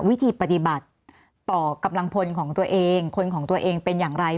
วิธีปฏิบัติต่อกำลังพลของตัวเองคนของตัวเองเป็นอย่างไร